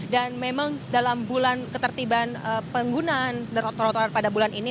dan memang dalam bulan ketertiban penggunaan trotoar pada bulan ini